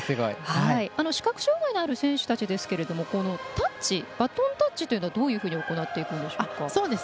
視覚障がいのある選手ですけどタッチ、バトンタッチというのはどういうふうに行っていくんでしょうか。